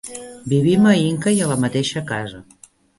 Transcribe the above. Vivim a Inca i a la mateixa casa.